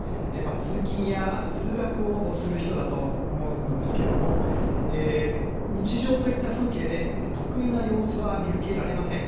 通勤や通学をする人だと思うのですけれども日常といった風景で特異な様子は見受けられません。